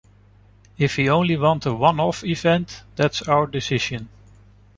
If we only want a one off event, that's our decision.